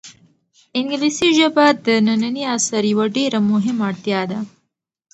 انګلیسي ژبه د ننني عصر یوه ډېره مهمه اړتیا ده.